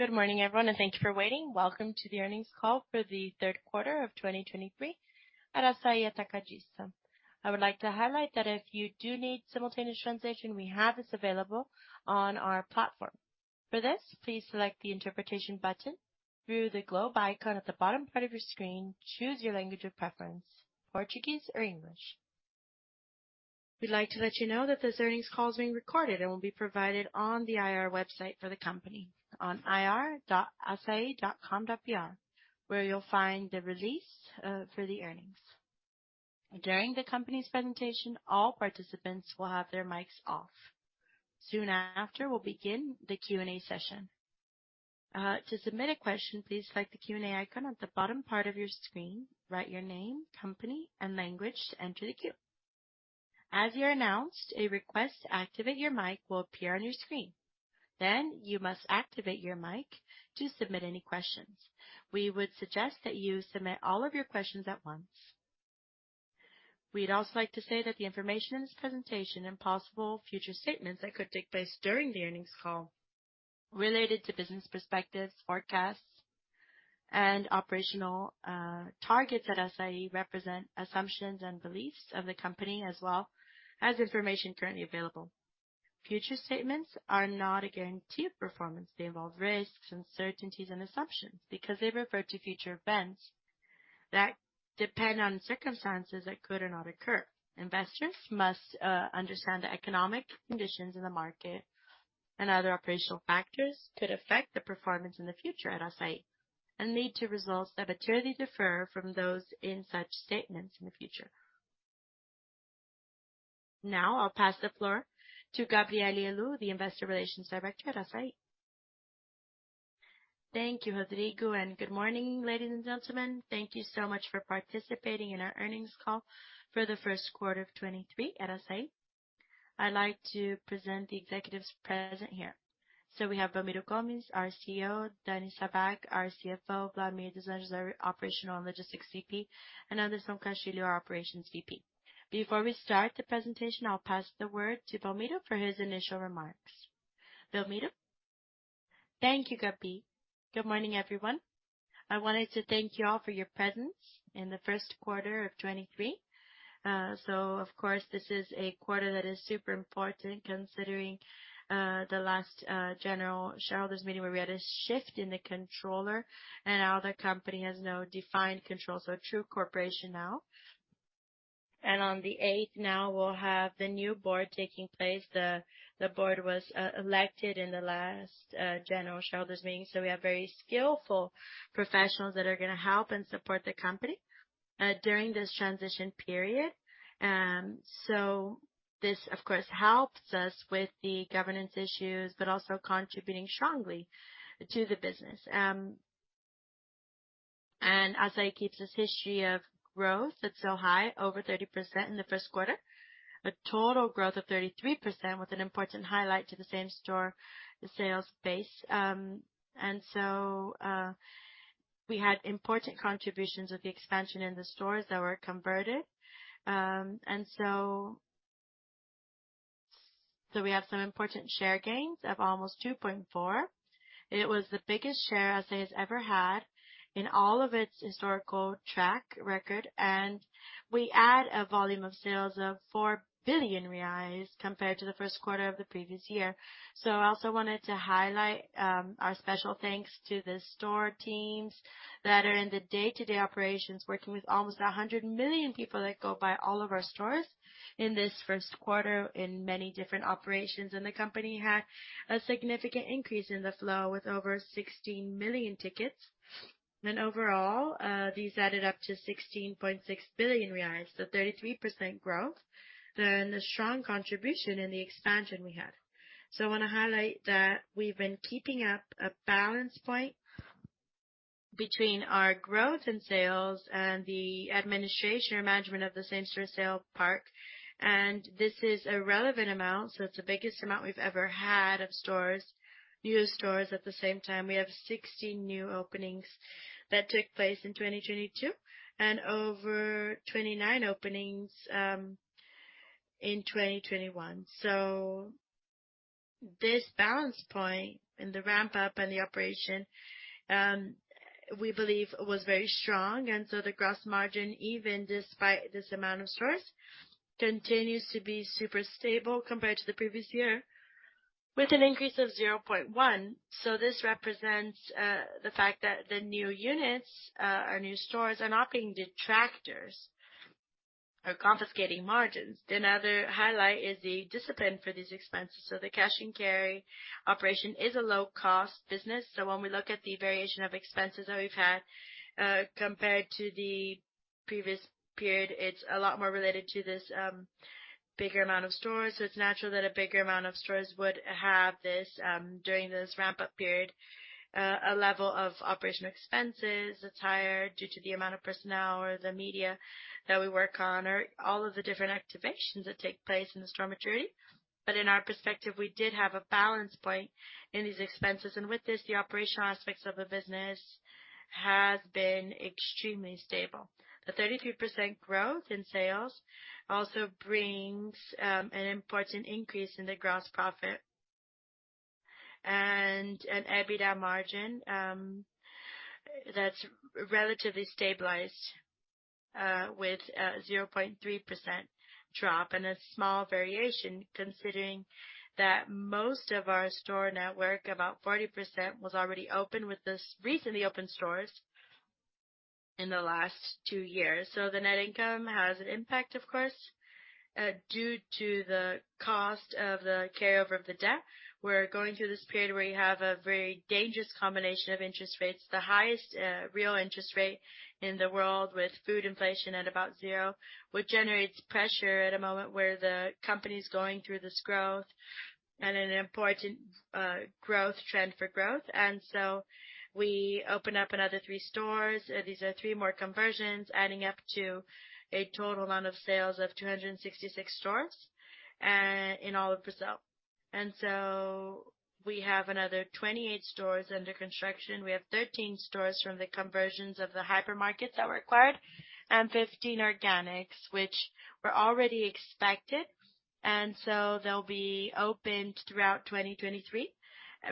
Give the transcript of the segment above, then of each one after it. Good morning, everyone, thank you for waiting. Welcome to the Earnings Call for the 3rd Quarter of 2023 at Assaí Atacadista. I would like to highlight that if you do need simultaneous translation, we have this available on our platform. Please select the interpretation button through the globe icon at the bottom part of your screen. Choose your language of preference, Portuguese or English. We'd like to let you know that this earnings call is being recorded and will be provided on the IR website for the company on ir.assai.com.br, where you'll find the release for the earnings. During the company's presentation, all participants will have their mics off. Soon after, we'll begin the Q&A session. To submit a question, please select the Q&A icon at the bottom part of your screen. Write your name, company, and language to enter the queue. As you are announced, a request to activate your mic will appear on your screen. You must activate your mic to submit any questions. We would suggest that you submit all of your questions at once. We'd also like to say that the information in this presentation and possible future statements that could take place during the earnings call related to business perspectives, forecasts, and operational targets at Assaí represent assumptions and beliefs of the company as well as information currently available. Future statements are not a guarantee of performance. They involve risks, uncertainties, and assumptions because they refer to future events that depend on circumstances that could or not occur. Investors must understand the economic conditions in the market and other operational factors could affect the performance in the future at Assaí and lead to results that materially differ from those in such statements in the future. I'll pass the floor to Gabrielle Helú, the Investor Relations Director at Assaí. Thank you, Rodrigo. Good morning, ladies and gentlemen. Thank you so much for participating in our earnings call for the first quarter of 2023 at Assaí. I'd like to present the executives present here. We have Belmiro Gomes, our CEO, Daniela Sabbag, our CFO, Wlamir dos Anjos, our VP of Commercial & Logistics, and Anderson Castilho, our Operations VP. Before we start the presentation, I'll pass the word to Belmiro for his initial remarks. Belmiro. Thank you, Gabi. Good morning, everyone. I wanted to thank you all for your presence in the first quarter of 2023. Of course, this is a quarter that is super important considering the last general shareholders meeting, where we had a shift in the controller and now the company has no defined control. A true corporation now. On the 8th now, we'll have the new board taking place. The board was elected in the last general shareholders meeting. We have very skillful professionals that are gonna help and support the company during this transition period. This, of course, helps us with the governance issues, but also contributing strongly to the business. Assaí keeps this history of growth that's so high, over 30% in the 1st quarter. A total growth of 33% with an important highlight to the same-store sales base. We had important contributions of the expansion in the stores that were converted. We have some important share gains of almost 2.4. It was the biggest share Assaí has ever had in all of its historical track record. We add a volume of sales of 4 billion reais compared to the first quarter of the previous year. I also wanted to highlight our special thanks to the store teams that are in the day-to-day operations, working with almost 100 million people that go by all of our stores in this first quarter in many different operations. The company had a significant increase in the flow with over 16 million tickets. Overall, these added up to 16.6 billion reais, so 33% growth. The strong contribution in the expansion we had. I wanna highlight that we've been keeping up a balance point between our growth in sales and the administration or management of the same store sale park. This is a relevant amount. It's the biggest amount we've ever had of stores, new stores. At the same time, we have 16 new openings that took place in 2022 and over 29 openings in 2021. This balance point in the ramp-up and the operation, we believe was very strong. The gross margin, even despite this amount of stores, continues to be super stable compared to the previous year with an increase of 0.1%. This represents the fact that the new units, our new stores are not being detractors or confiscating margins. Another highlight is the discipline for these expenses. The cash and carry operation is a low-cost business. When we look at the variation of expenses that we've had, compared to the previous period, it's a lot more related to this, bigger amount of stores. It's natural that a bigger amount of stores would have this, during this ramp-up period. A level of operational expenses that's higher due to the amount of personnel or the media that we work on or all of the different activations that take place in the store maturity. In our perspective, we did have a balance point in these expenses. With this, the operational aspects of the business has been extremely stable. The 33% growth in sales also brings an important increase in the gross profit. An EBITDA margin, that's relatively stabilized, with a 0.3% drop and a small variation considering that most of our store network, about 40% was already open with this recently opened stores in the last two years. The net income has an impact, of course, due to the cost of the carryover of the debt. We're going through this period where you have a very dangerous combination of interest rates, the highest real interest rate in the world with food inflation at about zero, which generates pressure at a moment where the company is going through this growth and an important growth trend for growth. We opened up another three stores. These are 3 more conversions adding up to a total amount of sales of 266 stores in all of Brazil. We have another 28 stores under construction. We have 13 stores from the conversions of the hypermarkets that were acquired and 15 organics, which were already expected. They'll be opened throughout 2023,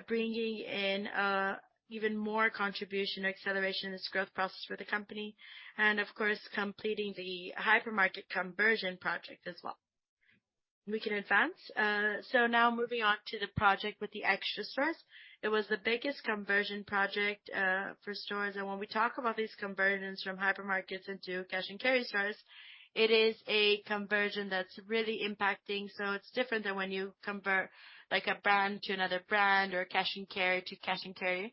bringing in even more contribution or acceleration in this growth process for the company and of course, completing the hypermarket conversion project as well. We can advance. Moving on to the project with the Extra stores. It was the biggest conversion project for stores. When we talk about these conversions from hypermarkets into cash and carry stores, it is a conversion that's really impacting. It's different than when you convert like a brand to another brand or cash & carry to cash & carry.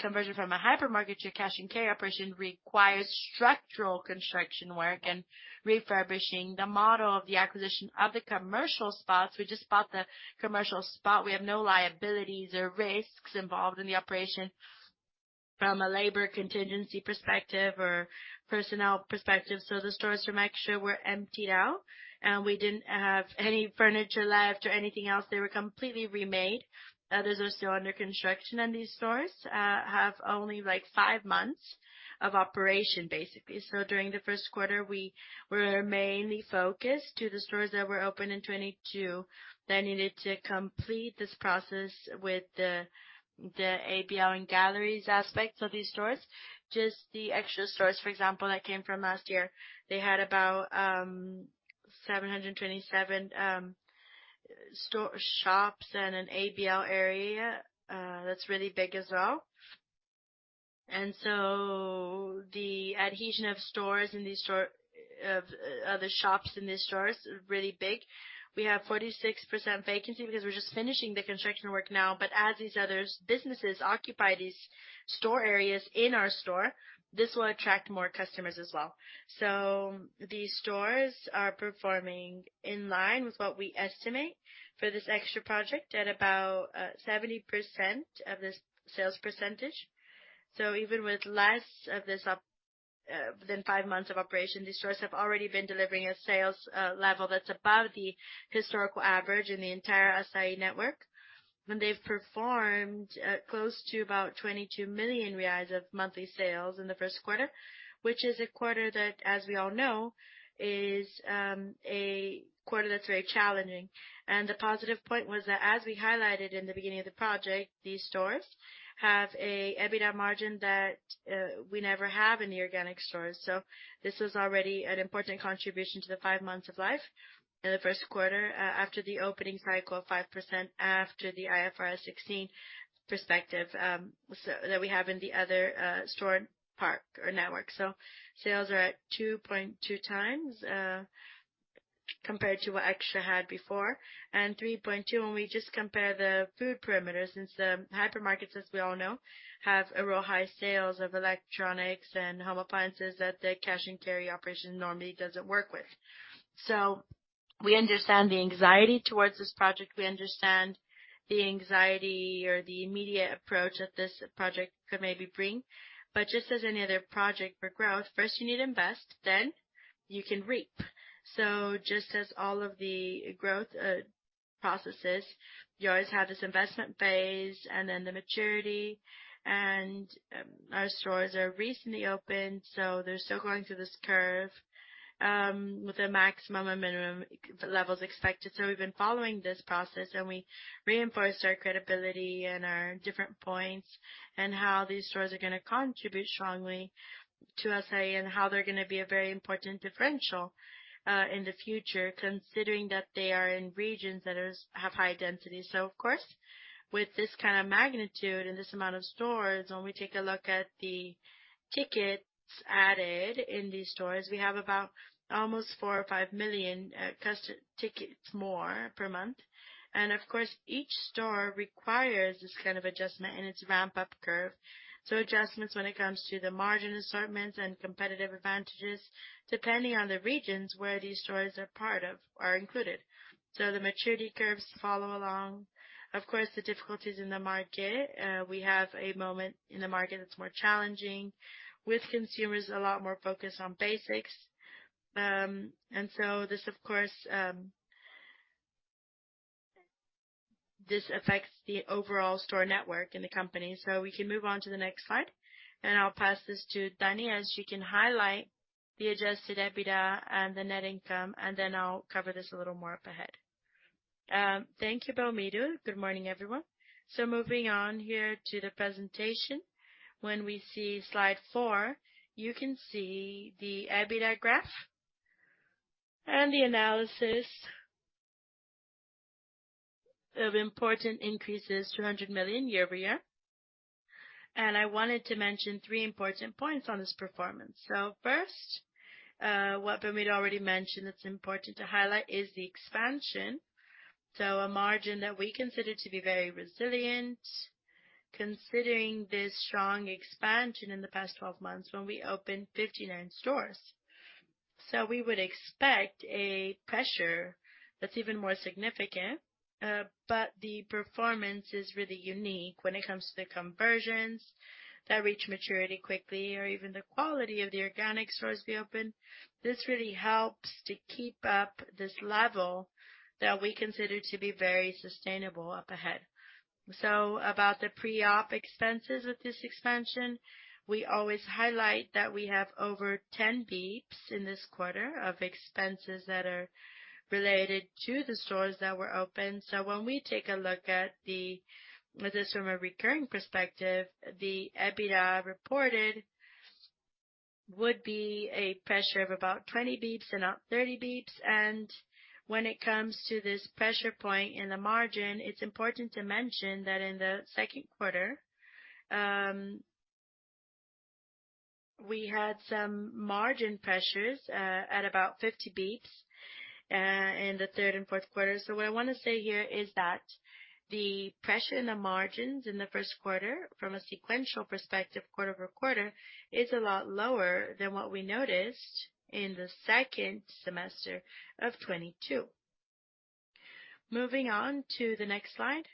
Conversion from a hypermarket to a cash & carry operation requires structural construction work and refurbishing the model of the acquisition of the commercial spots. We just bought the commercial spot. We have no liabilities or risks involved in the operation from a labor contingency perspective or personnel perspective. The stores from Extra were emptied out, and we didn't have any furniture left or anything else. They were completely remade. Others are still under construction, and these stores have only like 5 months of operation, basically. During the first quarter, we were mainly focused to the stores that were open in 22, that needed to complete this process with the ABL and galleries aspects of these stores. Just the Extra stores, for example, that came from last year. They had about 727 shops and an ABL area, that's really big as well. The adhesion of other shops in these stores is really big. We have 46% vacancy because we're just finishing the construction work now. As these others businesses occupy these store areas in our store, this will attract more customers as well. These stores are performing in line with what we estimate for this Extra project at about 70% of the sales percentage. Even with less than five months of operation, these stores have already been delivering a sales level that's above the historical average in the entire Assaí network. When they've performed close to about 22 million reais of monthly sales in the first quarter, which is a quarter that, as we all know, is a quarter that's very challenging. The positive point was that as we highlighted in the beginning of the project, these stores have a EBITDA margin that we never have in the organic stores. This was already an important contribution to the 5 months of life in the first quarter after the opening cycle of 5% after the IFRS 16 perspective, so that we have in the other store park or network. Sales are at 2.2x compared to what Extra had before and 3.2 when we just compare the food perimeters, since the hypermarkets, as we all know, have a real high sales of electronics and home appliances that the cash & carry operation normally doesn't work with. We understand the anxiety towards this project. We understand the anxiety or the immediate approach that this project could maybe bring. Just as any other project for growth, first you need to invest, then you can reap. Just as all of the growth processes, you always have this investment phase and then the maturity. Our stores are recently opened, so they're still going through this curve with a maximum and minimum levels expected. We've been following this process, and we reinforced our credibility and our different points and how these stores are gonna contribute strongly to Assaí and how they're gonna be a very important differential in the future, considering that they are in regions that have high density. Of course, with this kind of magnitude and this amount of stores, when we take a look at the tickets added in these stores, we have about almost 4 or 5 million custom tickets more per month. Of course, each store requires this kind of adjustment in its ramp-up curve. Adjustments when it comes to the margin assortments and competitive advantages, depending on the regions where these stores are included. The maturity curves follow along. Of course, the difficulties in the market, we have a moment in the market that's more challenging with consumers a lot more focused on basics. This of course, this affects the overall store network in the company. We can move on to the next slide, and I'll pass this to Dani as she can highlight-The Adjusted EBITDA and the net income, and then I'll cover this a little more up ahead. Thank you, Belmiro. Good morning, everyone. Moving on here to the presentation. When we see slide 4, you can see the EBITDA graph and the analysis of important increases, 200 million year-over-year. I wanted to mention 3 important points on this performance. First, what Belmiro already mentioned, it's important to highlight is the expansion. A margin that we consider to be very resilient considering this strong expansion in the past 12 months when we opened 59 stores. We would expect a pressure that's even more significant, but the performance is really unique when it comes to the conversions that reach maturity quickly or even the quality of the organic stores we opened. This really helps to keep up this level that we consider to be very sustainable up ahead. About the pre-op expenses of this expansion, we always highlight that we have over 10 bps in this quarter of expenses that are related to the stores that were opened. When we take a look at this from a recurring perspective, the EBITDA reported would be a pressure of about 20 bps and not 30 bps. When it comes to this pressure point in the margin, it's important to mention that in the second quarter, we had some margin pressures at about 50 bps in the third and fourth quarter. What I wanna say here is that the pressure in the margins in the first quarter from a sequential perspective quarter-over-quarter is a lot lower than what we noticed in the second semester of 2022. Moving on to the next slide.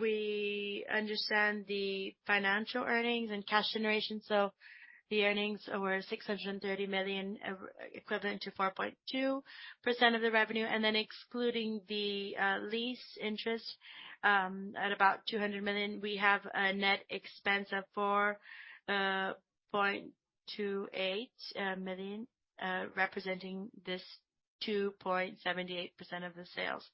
We understand the financial earnings and cash generation. The earnings were 630 million, equivalent to 4.2% of the revenue. Excluding the lease interest, at about 200 million, we have a net expense of 4.28 million, representing this 2.78% of the sales.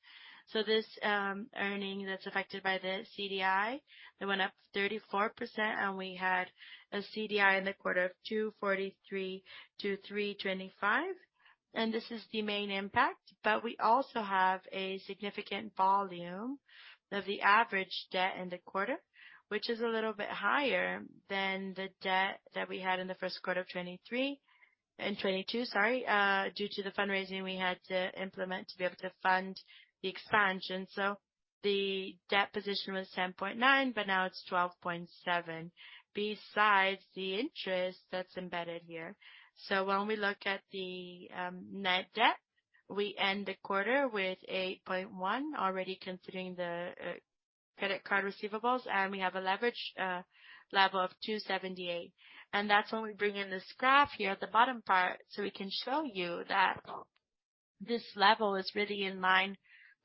This earning that's affected by the CDI, it went up 34% and we had a CDI in the quarter of 2.43 to 3.25. This is the main impact. We also have a significant volume of the average debt in the quarter, which is a little bit higher than the debt that we had in the first quarter of 2023, in 2022, sorry, due to the fundraising we had to implement to be able to fund the expansion. The debt position was 10.9, but now it's 12.7, besides the interest that's embedded here. When we look at the net debt, we end the quarter with 8.1, already considering the credit card receivables, and we have a leverage level of 2.78. That's when we bring in this graph here at the bottom part, so we can show you that this level is really in line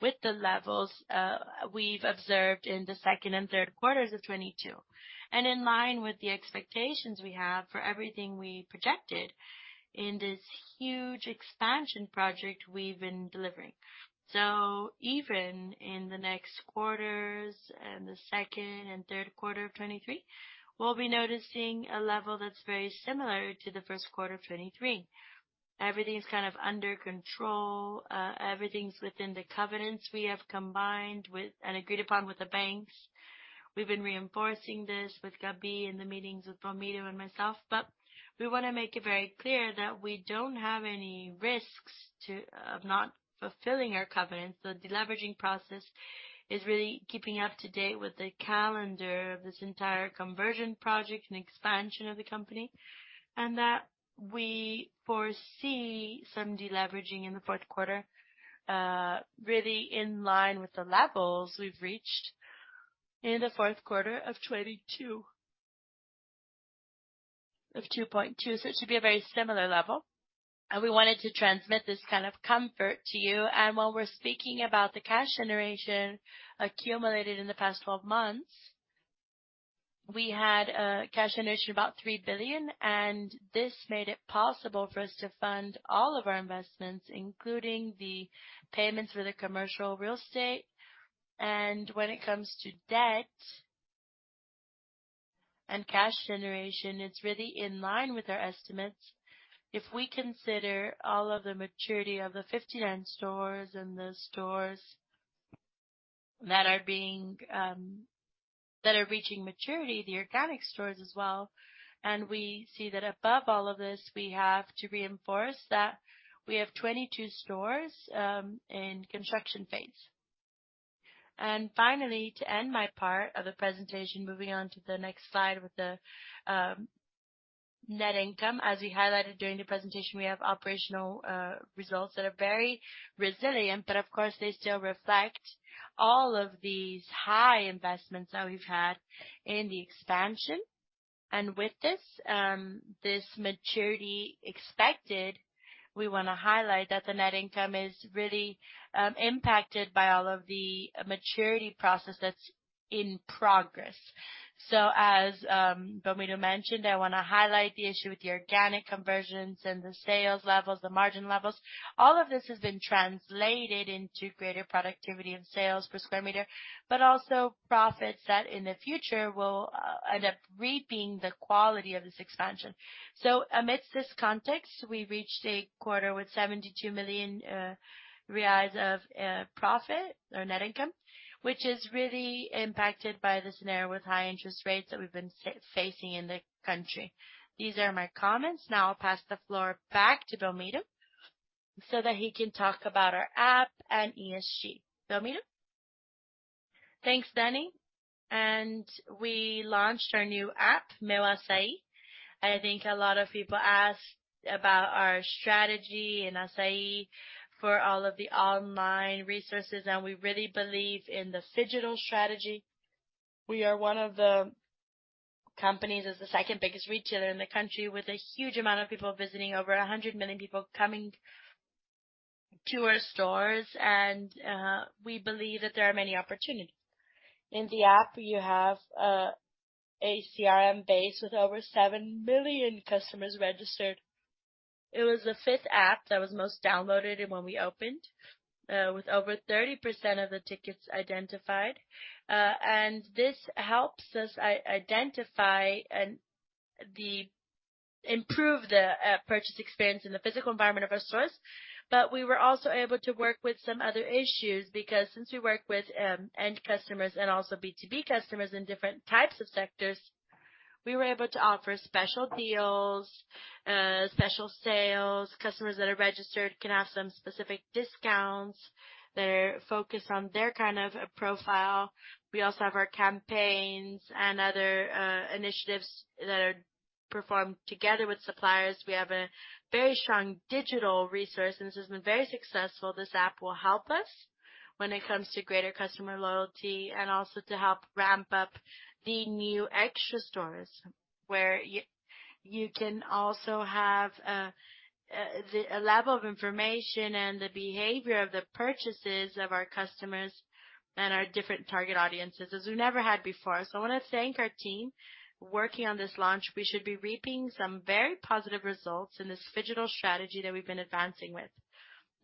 with the levels we've observed in the second and third quarters of 2022. In line with the expectations we have for everything we projected in this huge expansion project we've been delivering. Even in the next quarters and the second and third quarter of 2023, we'll be noticing a level that's very similar to the first quarter of 2023. Everything's kind of under control. Everything's within the covenants we have combined with and agreed upon with the banks. We've been reinforcing this with Gabi in the meetings with Belmiro and myself. We wanna make it very clear that we don't have any risks of not fulfilling our covenants. The deleveraging process is really keeping up to date with the calendar of this entire conversion project and expansion of the company. That we foresee some deleveraging in the fourth quarter, really in line with the levels we've reached in the fourth quarter of 2022. Of 2.2. So it should be a very similar level. We wanted to transmit this kind of comfort to you. While we're speaking about the cash generation accumulated in the past 12 months, we had a cash generation about 3 billion, and this made it possible for us to fund all of our investments, including the payments for the commercial real estate. When it comes to debt and cash generation, it's really in line with our estimates. If we consider all of the maturity of the 59 stores and the stores that are being that are reaching maturity, the organic stores as well, we see that above all of this, we have to reinforce that we have 22 stores in construction phase. Finally, to end my part of the presentation, moving on to the next slide with the net income. As we highlighted during the presentation, we have operational results that are very resilient, but of course, they still reflect all of these high investments that we've had in the expansion. With this maturity expected, we want to highlight that the net income is really impacted by all of the maturity process that's in progress. As Belmiro mentioned, I want to highlight the issue with the organic conversions and the sales levels, the margin levels. All of this has been translated into greater productivity in sales per square meter, but also profits that in the future will end up reaping the quality of this expansion. Amidst this context, we reached a quarter with 72 million reais of profit or net income, which is really impacted by the scenario with high interest rates that we've been facing in the country. These are my comments. Now I'll pass the floor back to Belmiro, so that he can talk about our app and ESG. Belmiro. Thanks, Dani. We launched our new app, Meu Assaí. I think a lot of people asked about our strategy in Assaí for all of the online resources, and we really believe in the phygital strategy. We are one of the companies as the second-biggest retailer in the country with a huge amount of people visiting over 100 million people coming to our stores. We believe that there are many opportunities. In the app, you have a CRM base with over 7 million customers registered. It was the fifth app that was most downloaded and when we opened, with over 30% of the tickets identified. This helps us identify and improve the purchase experience in the physical environment of our stores. We were also able to work with some other issues because since we work with end customers and also B2B customers in different types of sectors, we were able to offer special deals, special sales. Customers that are registered can have some specific discounts. They're focused on their kind of profile. We also have our campaigns and other initiatives that are performed together with suppliers. We have a very strong digital resource, and this has been very successful. This app will help us when it comes to greater customer loyalty and also to help ramp up the new Extra stores where you can also have a level of information and the behavior of the purchases of our customers and our different target audiences as we never had before. I wanna thank our team working on this launch. We should be reaping some very positive results in this phygital strategy that we've been advancing with.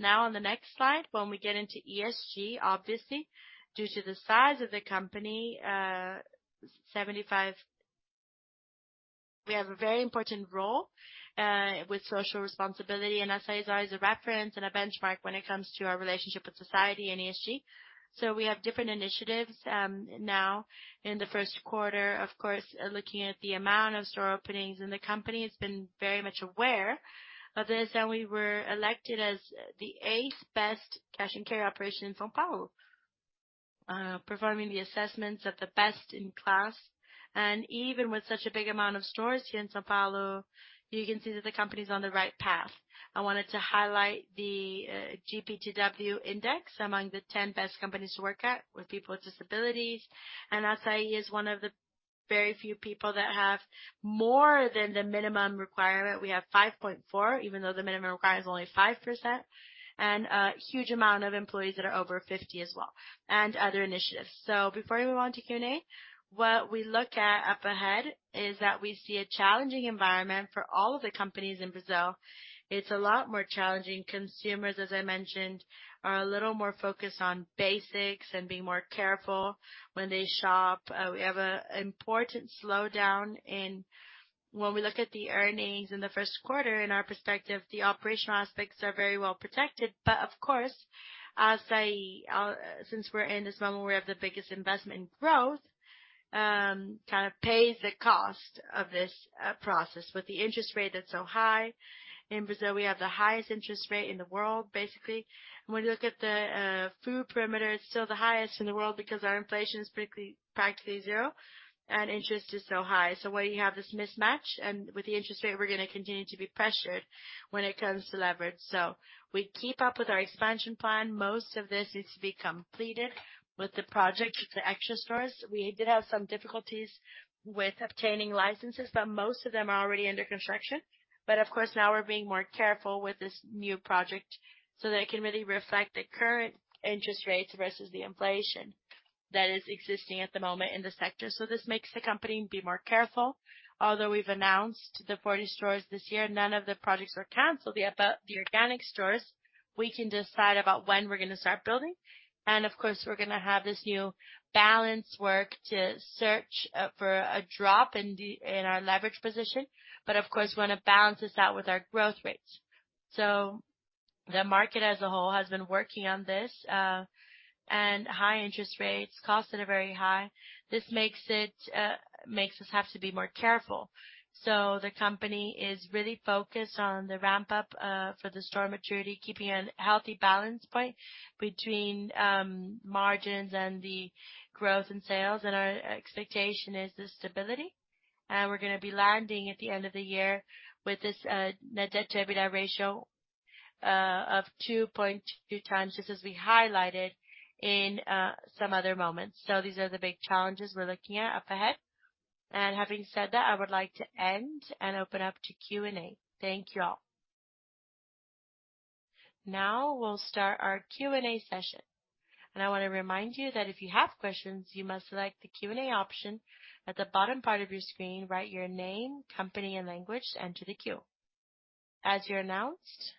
On the next slide, when we get into ESG, obviously, due to the size of the company, 75... We have a very important role, with social responsibility, Assaí is always a reference and a benchmark when it comes to our relationship with society and ESG. We have different initiatives, now in the first quarter. Of course, looking at the amount of store openings, the company has been very much aware of this, we were elected as the eighth best cash and carry operation in São Paulo, performing the assessments at the best in class. Even with such a big amount of stores here in São Paulo, you can see that the company's on the right path. I wanted to highlight the GPTW index among the 10 best companies to work at with people with disabilities. Assaí is one of the very few people that have more than the minimum requirement. We have 5.4, even though the minimum requirement is only 5%, and a huge amount of employees that are over 50 as well, and other initiatives. Before we move on to Q&A, what we look at up ahead is that we see a challenging environment for all of the companies in Brazil. It's a lot more challenging. Consumers, as I mentioned, are a little more focused on basics and being more careful when they shop. We have an important slowdown. When we look at the earnings in the first quarter, in our perspective, the operational aspects are very well protected. Of course, Assaí, since we're in this moment, we have the biggest investment in growth, kind of pays the cost of this process. With the interest rate that's so high in Brazil, we have the highest interest rate in the world, basically. When you look at the food perimeter, it's still the highest in the world because our inflation is practically zero and interest is so high. Where you have this mismatch and with the interest rate, we're gonna continue to be pressured when it comes to leverage. We keep up with our expansion plan. Most of this needs to be completed with the project, with the Extra stores. We did have some difficulties with obtaining licenses, but most of them are already under construction. Of course, now we're being more careful with this new project so that it can really reflect the current interest rates versus the inflation that is existing at the moment in the sector. This makes the company be more careful. Although we've announced the 40 stores this year, none of the projects were canceled. The organic stores, we can decide about when we're gonna start building. Of course, we're gonna have this new balance work to search for a drop in our leverage position. Of course, wanna balance this out with our growth rates. The market as a whole has been working on this, and high interest rates, costs that are very high. This makes it makes us have to be more careful. The company is really focused on the ramp-up for the store maturity, keeping a healthy balance point between margins and the growth in sales. Our expectation is the stability. We're gonna be landing at the end of the year with this net debt-to-EBITDA ratio of 2.2x, just as we highlighted in some other moments. These are the big challenges we're looking at up ahead. Having said that, I would like to end and open up to Q&A. Thank you all. Now we'll start our Q&A session. I wanna remind you that if you have questions, you must select the Q&A option at the bottom part of your screen. Write your name, company, and language to enter the queue. As you're announced,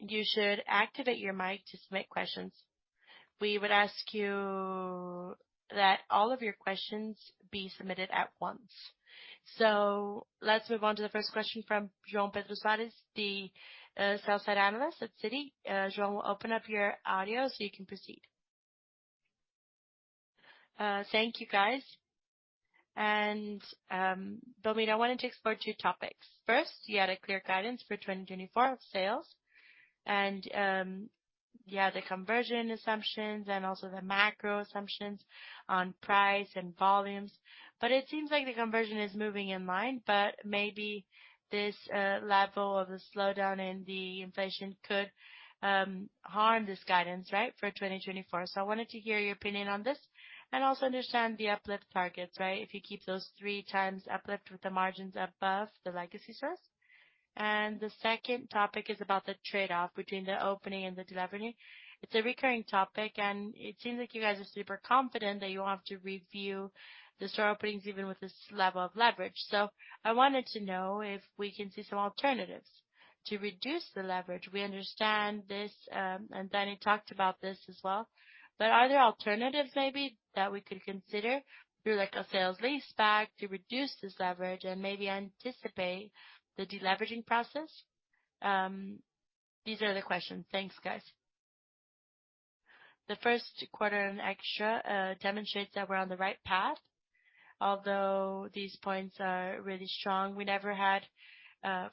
you should activate your mic to submit questions. We would ask you that all of your questions be submitted at once. Let's move on to the first question from João Pedro Soares, the sales analyst at Citi. João, we'll open up your audio, you can proceed. Thank you, guys. Belmiro, I wanted to explore 2 topics. First, you had a clear guidance for 2024 sales, you had the conversion assumptions and also the macro assumptions on price and volumes. It seems like the conversion is moving in line, but maybe this level of the slowdown in the inflation could harm this guidance, right, for 2024. I wanted to hear your opinion on this and also understand the uplift targets, right? If you keep those 3x uplift with the margins above the legacy stores. The second topic is about the trade-off between the opening and the deleveraging. It's a recurring topic. It seems like you guys are super confident that you'll have to review the store openings even with this level of leverage. I wanted to know if we can see some alternatives to reduce the leverage. We understand this. Danny talked about this as well. Are there alternatives maybe that we could consider through like a sale-leaseback to reduce this leverage and maybe anticipate the deleveraging process? These are the questions. Thanks, guys. The first quarter in Extra demonstrates that we're on the right path. Although these points are really strong, we never had,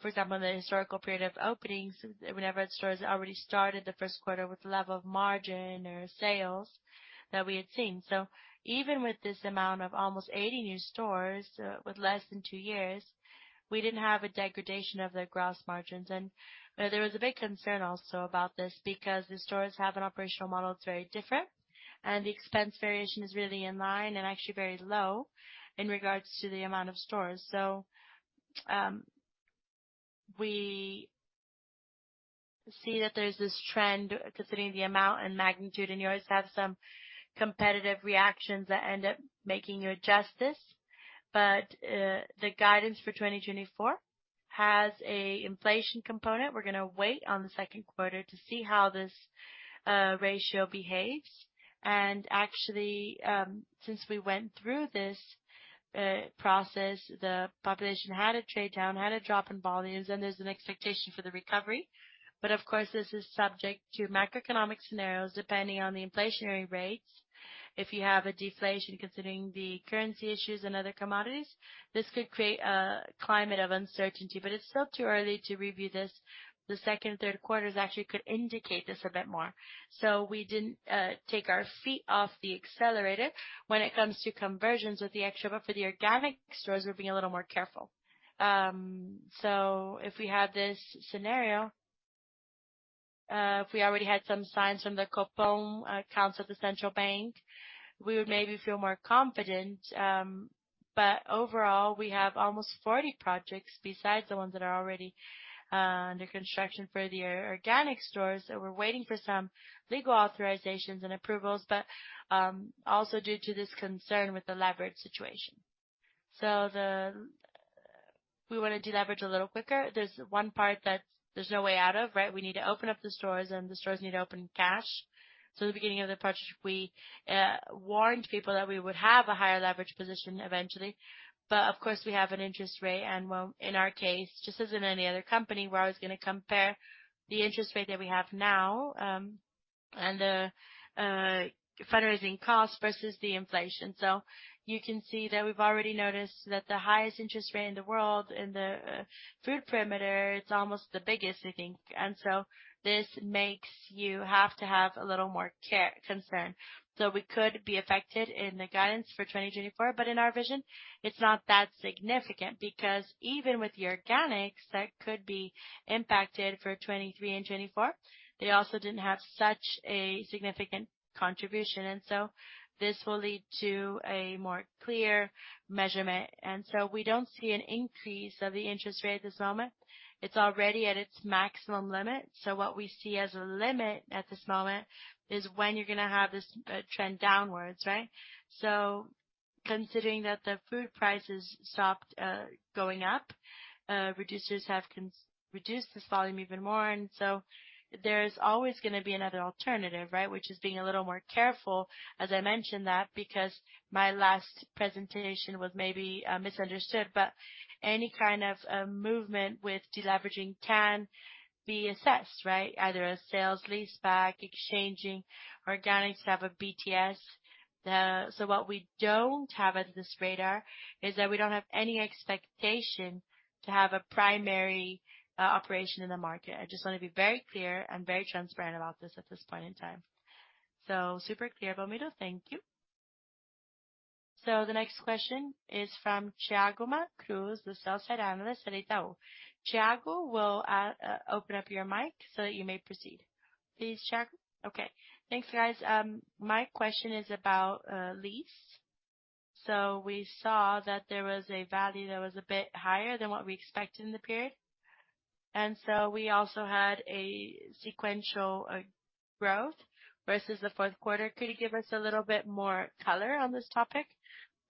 for example, the historical period of openings. We never had stores that already started the first quarter with the level of margin or sales that we had seen. Even with this amount of almost 80 new stores with less than two years, we didn't have a degradation of the gross margins. There was a big concern also about this because the stores have an operational model that's very different, and the expense variation is really in line and actually very low in regards to the amount of stores. We see that there's this trend considering the amount and magnitude, and you always have some competitive reactions that end up making you adjust this. The guidance for 2024 has a inflation component. We're gonna wait on the second quarter to see how this ratio behaves. Actually, since we went through this process, the population had a trade down, had a drop in volumes, and there's an expectation for the recovery. Of course, this is subject to macroeconomic scenarios depending on the inflationary rates. If you have a deflation considering the currency issues and other commodities, this could create a climate of uncertainty, but it's still too early to review this. The second, third quarters actually could indicate this a bit more. We didn't take our feet off the accelerator when it comes to conversions with the Extra, but for the organic stores, we're being a little more careful. If we had this scenario, if we already had some signs from the Copom accounts with the Central Bank, we would maybe feel more confident. Overall, we have almost 40 projects besides the ones that are already under construction for the organic stores that we're waiting for some legal authorizations and approvals. Also due to this concern with the leverage situation. We wanna deleverage a little quicker. There's one part that there's no way out of, right? We need to open up the stores and the stores need to open cash. At the beginning of the project, we warned people that we would have a higher leverage position eventually. Of course, we have an interest rate. In our case, just as in any other company, we're always gonna compare the interest rate that we have now, and the fundraising cost versus the inflation. You can see that we've already noticed that the highest interest rate in the world, in the food perimeter, it's almost the biggest, I think. This makes you have to have a little more concern. We could be affected in the guidance for 2024, but in our vision, it's not that significant because even with the organics that could be impacted for 2023 and 2024, they also didn't have such a significant contribution. This will lead to a more clear measurement. We don't see an increase of the interest rate this moment. It's already at its maximum limit. What we see as a limit at this moment is when you're gonna have this trend downwards, right? Considering that the food prices stopped going up, reducers have reduced this volume even more. There is always gonna be another alternative, right? Which is being a little more careful, as I mentioned that, because my last presentation was maybe misunderstood. Any kind of movement with deleveraging can be assessed, right? Either a sale-leaseback, exchanging organic, have a BTS. What we don't have at this radar is that we don't have any expectation to have a primary operation in the market. I just wanna be very clear and very transparent about this at this point in time. Super clear, Belmiro. Thank you. The next question is from Thiago Macruz, the sell-side analyst at Itaú. Thiago, we'll open up your mic so that you may proceed. Please, Thiago. Okay. Thanks, guys. My question is about lease. We saw that there was a value that was a bit higher than what we expect in the period. We also had a sequential growth versus the fourth quarter. Could you give us a little bit more color on this topic?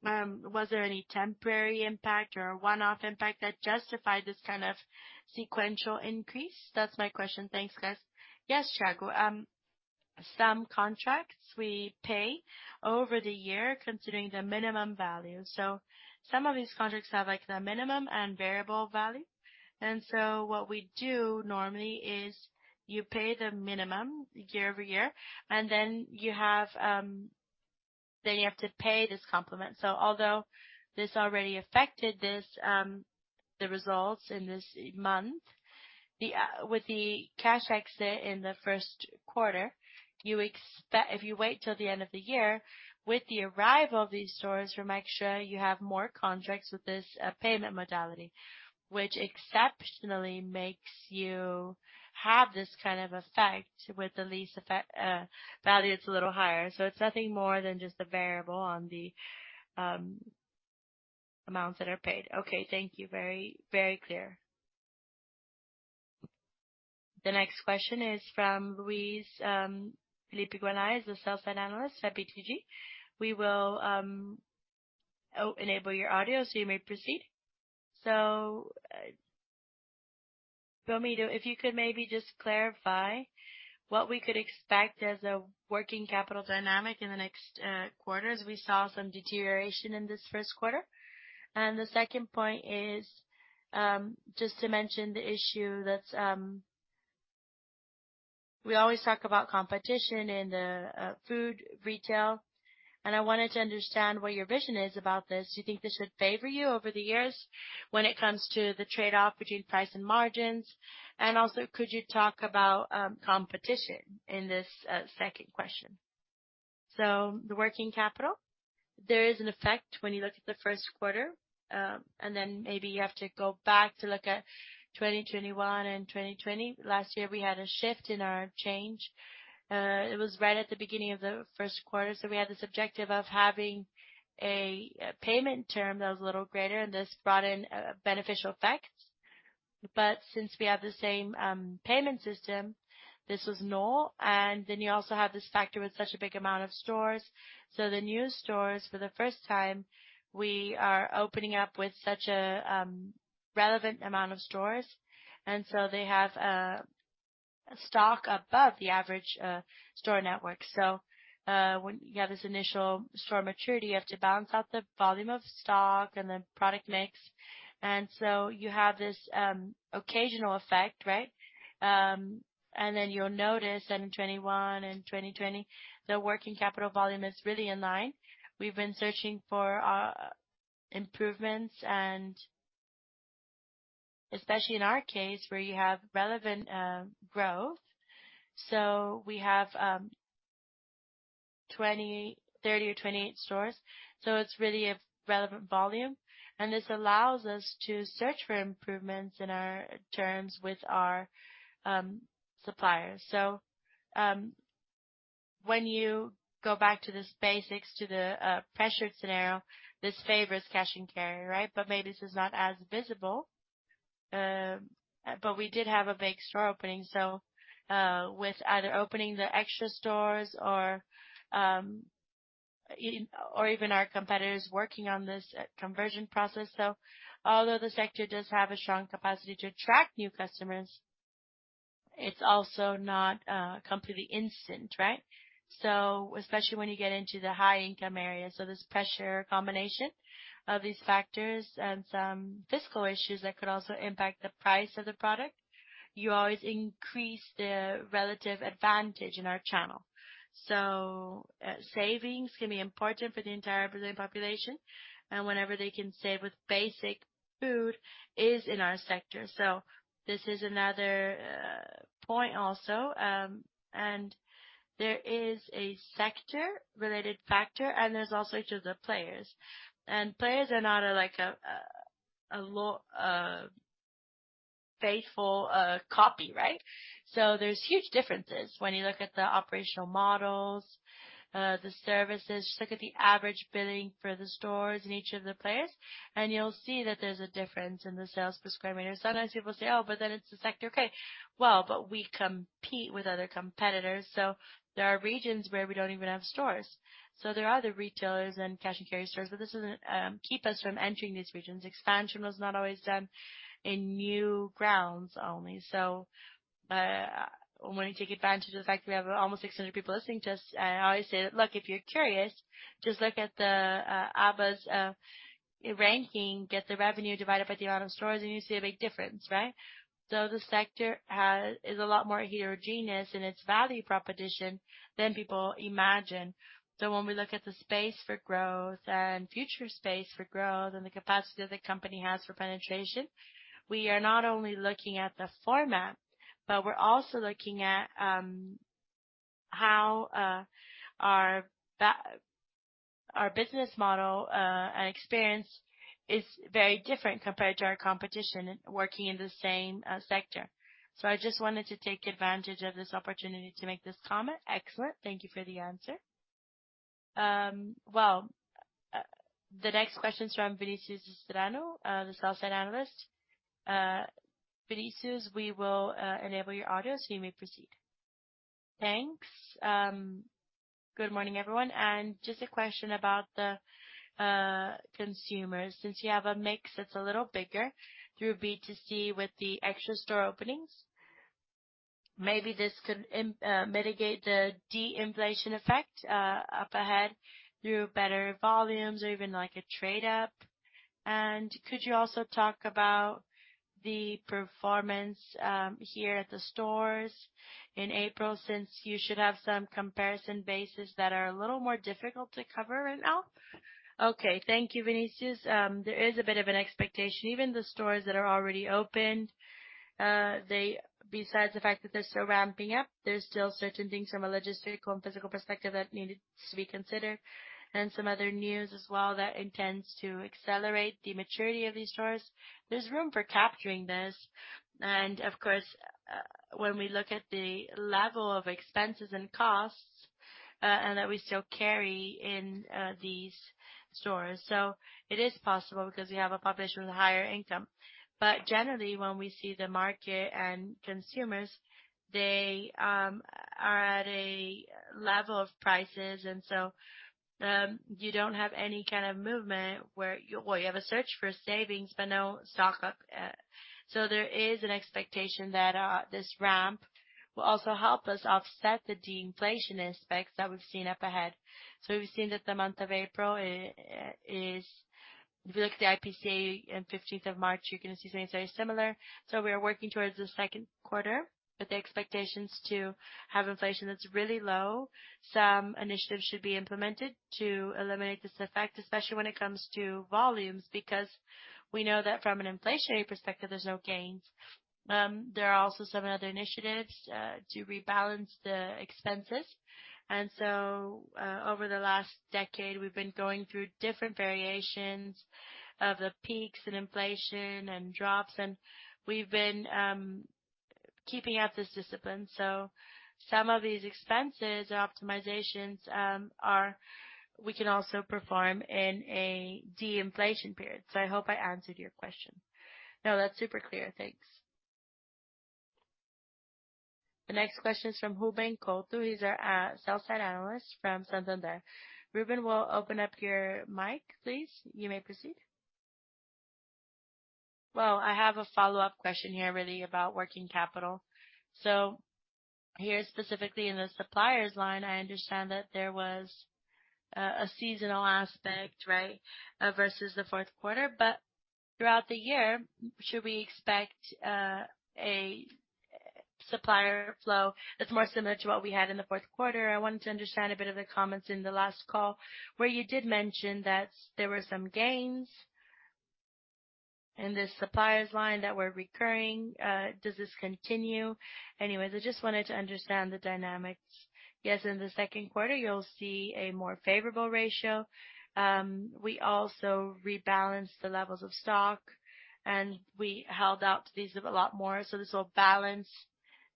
Was there any temporary impact or a one-off impact that justified this kind of sequential increase? That's my question. Thanks, guys. Yes, Thiago. Some contracts we pay over the year considering the minimum value. Some of these contracts have, like, the minimum and variable value. What we do normally is you pay the minimum year over year, and then you have, then you have to pay this complement. Although this already affected this, the results in this month, the with the cash exit in the first quarter, If you wait till the end of the year with the arrival of these stores from Extra, you have more contracts with this payment modality, which exceptionally makes you have this kind of effect with the lease effect, value it's a little higher. It's nothing more than just a variable on the amounts that are paid. Okay. Thank you. Very, very clear. The next question is from Luiz Felipe Guanabara, is the sell-side analyst at BTG. We will enable your audio so you may proceed. Belmiro, if you could maybe just clarify what we could expect as a working capital dynamic in the next quarters. We saw some deterioration in this first quarter. The second point is just to mention the issue that we always talk about competition in the food retail, and I wanted to understand what your vision is about this. Do you think this should favor you over the years when it comes to the trade-off between price and margins? Could you talk about competition in this second question? The working capital, there is an effect when you look at the first quarter, maybe you have to go back to look at 2021 and 2020. Last year we had a shift in our change. It was right at the beginning of the first quarter. We had this objective of having a payment term that was a little greater, and this brought in beneficial effects. Since we have the same payment system, this was null. You also have this factor with such a big amount of stores. The new stores, for the first time, we are opening up with such a relevant amount of stores, they have stock above the average store network. When you have this initial store maturity, you have to balance out the volume of stock and the product mix. You have this occasional effect, right? Then you'll notice that in 2021 and 2020, the working capital volume is really in line. We've been searching for improvements and especially in our case, where you have relevant growth. We have 20, 30 or 28 stores. It's really a relevant volume. This allows us to search for improvements in our terms with our suppliers. When you go back to this basics, to the pressured scenario, this favors cash and carry, right? Maybe this is not as visible. But we did have a big store opening. With either opening the Extra stores or even our competitors working on this conversion process. Although the sector does have a strong capacity to attract new customers, it's also not completely instant, right? Especially when you get into the high income areas. This pressure combination of these factors and some fiscal issues that could also impact the price of the product, you always increase the relative advantage in our channel. Savings can be important for the entire Brazilian population and whenever they can save with basic food is in our sector. This is another point also. There is a sector related factor, and there's also each of the players. Players are not a like a faithful copy, right? There's huge differences when you look at the operational models, the services, just look at the average billing for the stores in each of the players, and you'll see that there's a difference in the sales per square meter. Sometimes people say, "Oh, but then it's the sector." Okay. Well, but we compete with other competitors. There are regions where we don't even have stores. There are other retailers and cash-and-carry stores. But this doesn't keep us from entering these regions. Expansion was not always done in new grounds only. I wanna take advantage of the fact that we have almost 600 people listening to us. I always say, look, if you're curious, just look at the ABRAS ranking, get the revenue divided by the amount of stores, and you see a big difference, right? The sector is a lot more heterogeneous in its value proposition than people imagine. When we look at the space for growth and future space for growth and the capacity that the company has for penetration, we are not only looking at the format, but we're also looking at how our business model and experience is very different compared to our competition working in the same sector. I just wanted to take advantage of this opportunity to make this comment. Excellent. Thank you for the answer. Well, the next question is from Vinicius Strano, the Sell-Side Analyst. Vinicius, we will enable your audio, you may proceed. Thanks. Good morning, everyone. Just a question about the consumers. Since you have a mix that's a little bigger through B2C with the Extra store openings, maybe this could mitigate the deinflation effect up ahead through better volumes or even like a trade-up. Could you also talk about the performance here at the stores in April, since you should have some comparison bases that are a little more difficult to cover right now? Okay. Thank you, Vinicius. There is a bit of an expectation. Even the stores that are already opened, besides the fact that they're still ramping up, there's still certain things from a logistical and physical perspective that needs to be considered, and some other news as well that intends to accelerate the maturity of these stores. There's room for capturing this. Of course, when we look at the level of expenses and costs, and that we still carry in these stores. It is possible because we have a population with higher income. Generally, when we see the market and consumers, they are at a level of prices. You don't have any kind of movement. You have a search for savings, but no stock up. There is an expectation that this ramp will also help us offset the deinflation aspects that we've seen up ahead. We've seen that the month of April. If you look at the IPCA in fifteenth of March, you're gonna see something very similar. We are working towards the second quarter with the expectations to have inflation that's really low. Some initiatives should be implemented to eliminate this effect, especially when it comes to volumes, because we know that from an inflationary perspective, there's no gains. There are also some other initiatives to rebalance the expenses. Over the last decade, we've been going through different variations of the peaks in inflation and drops, and we've been keeping up this discipline. Some of these expenses optimizations, we can also perform in a deinflation period. I hope I answered your question. No, that's super clear. Thanks. The next question is from Ruben Couto. He's our sell-side analyst from Santander. Ruben, we'll open up your mic, please. You may proceed. Well, I have a follow-up question here really about working capital. Here, specifically in the suppliers line, I understand that there was a seasonal aspect, right, versus the fourth quarter. Throughout the year, should we expect a supplier flow that's more similar to what we had in the fourth quarter? I wanted to understand a bit of the comments in the last call where you did mention that there were some gains in the suppliers line that were recurring. Does this continue? I just wanted to understand the dynamics. Yes, in the second quarter, you'll see a more favorable ratio. We also rebalanced the levels of stock, and we held out these a lot more. This will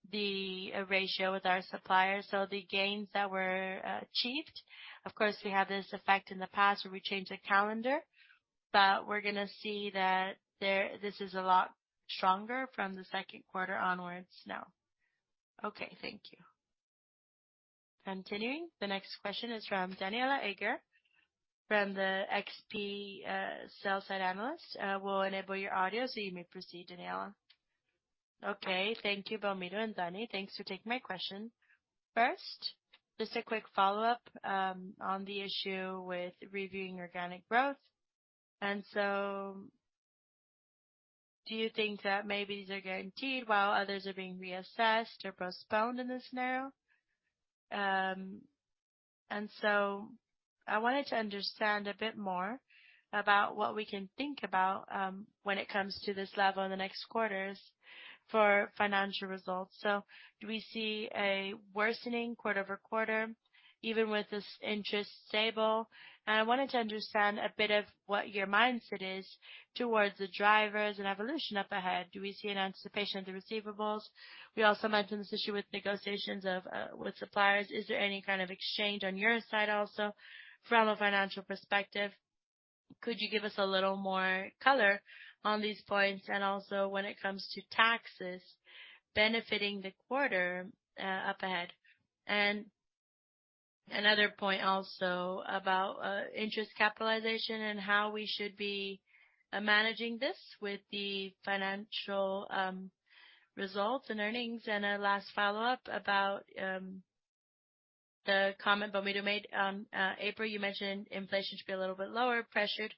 balance the ratio with our suppliers. The gains that were achieved, of course, we had this effect in the past where we changed the calendar, but we're going to see that this is a lot stronger from the second quarter onwards now. Okay, thank you. Continuing. The next question is from Daniela Eiger from the XP sell-side analyst. We'll enable your audio, so you may proceed, Daniela. Okay. Thank you, Belmiro and Dani. Thanks for taking my question. First, just a quick follow-up on the issue with reviewing organic growth. Do you think that maybe these are guaranteed while others are being reassessed or postponed in this now? I wanted to understand a bit more about what we can think about when it comes to this level in the next quarters for financial results. Do we see a worsening quarter-over-quarter even with this interest stable? I wanted to understand a bit of what your mindset is towards the drivers and evolution up ahead. Do we see an anticipation of the receivables? We also mentioned this issue with negotiations of with suppliers. Is there any kind of exchange on your side also from a financial perspective? Could you give us a little more color on these points? Also when it comes to taxes benefiting the quarter up ahead. Another point also about interest capitalization and how we should be managing this with the financial results and earnings. A last follow-up about the comment Belmiro made April, you mentioned inflation should be a little bit lower pressured.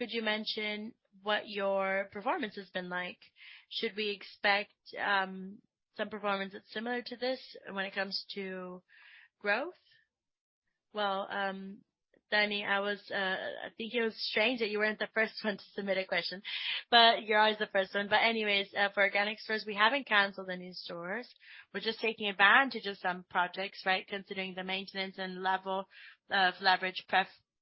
Could you mention what your performance has been like? Should we expect some performance that's similar to this when it comes to growth? Well, Dani, I was thinking it was strange that you weren't the first one to submit a question, but you're always the first one. Anyways, for organic first, we haven't canceled any stores. We're just taking advantage of some projects, right? Considering the maintenance and level of leverage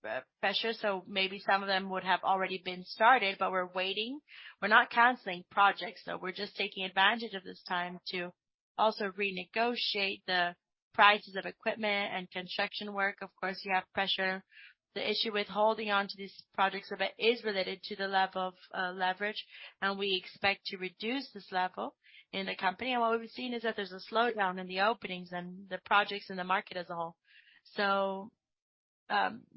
pre-pressure. Maybe some of them would have already been started, but we're waiting. We're not canceling projects, though. We're just taking advantage of this time to also renegotiate the prices of equipment and construction work. Of course, you have pressure. The issue with holding on to these projects a bit is related to the level of leverage, and we expect to reduce this level in the company. What we've seen is that there's a slowdown in the openings and the projects in the market as a whole.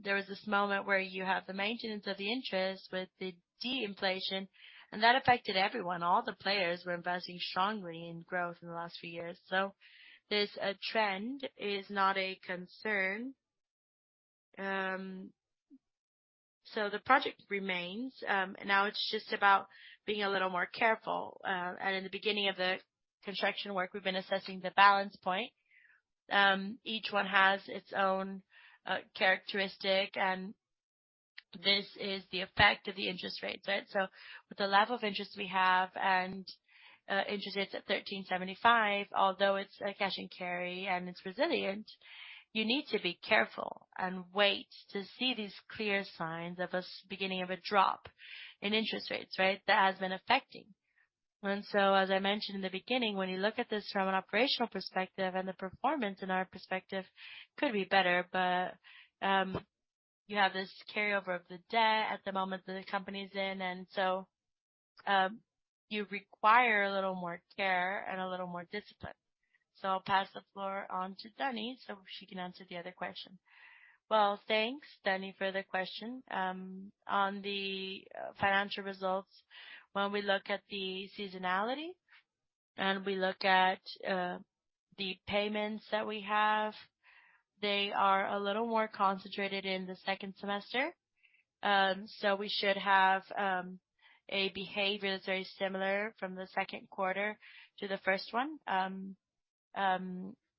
There was this moment where you have the maintenance of the interest with the disinflation, and that affected everyone. All the players were investing strongly in growth in the last few years. This trend is not a concern. The project remains. Now it's just about being a little more careful. In the beginning of the construction work, we've been assessing the balance point. Each one has its own characteristic, and this is the effect of the interest rates, right? With the level of interest we have and interest rates at 13.75%, although it's a cash and carry and it's resilient, you need to be careful and wait to see these clear signs of a beginning of a drop in interest rates, right? That has been affecting. As I mentioned in the beginning, when you look at this from an operational perspective and the performance in our perspective could be better. You have this carryover of the debt at the moment that the company's in, and so you require a little more care and a little more discipline. I'll pass the floor on to Dani so she can answer the other question. Thanks, Dani, for the question. On the financial results, when we look at the seasonality and we look at the payments that we have, they are a little more concentrated in the second semester. We should have a behavior that's very similar from the second quarter to the first one, and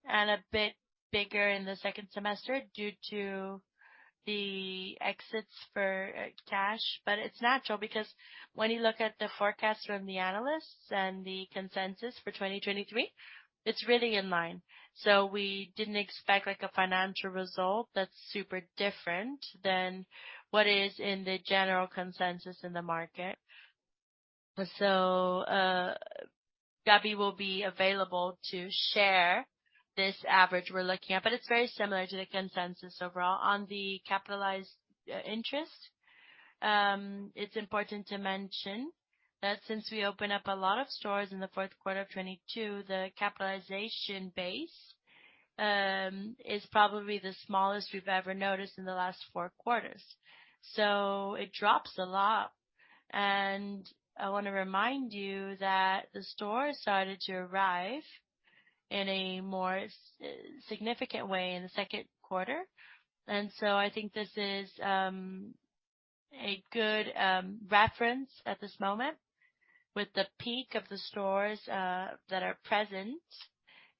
a bit bigger in the second semester due to the exits for cash. It's natural because when you look at the forecast from the analysts and the consensus for 2023, it's really in line. We didn't expect, like, a financial result that's super different than what is in the general consensus in the market. Gabi will be available to share this average we're looking at, but it's very similar to the consensus overall. On the capitalized interest, it's important to mention that since we opened up a lot of stores in the fourth quarter of 2022, the capitalization base is probably the smallest we've ever noticed in the last 4 quarters. I wanna remind you that the stores started to arrive in a more significant way in the second quarter. I think this is a good reference at this moment with the peak of the stores that are present